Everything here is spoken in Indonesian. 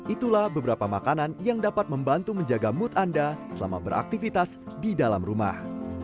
itulah beberapa makanan yang dapat membantu menjaga mood anda selama beraktivitas di dalam rumah